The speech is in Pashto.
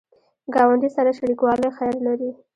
ګاونډي سره شریکوالی خیر لري